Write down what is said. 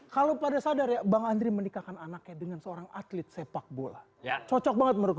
kalau pada sadar ya bang andri menikahkan anaknya dengan seorang atlet sepak bola ya cocok banget menurut